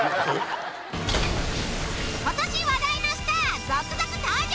今年話題のスター続々登場！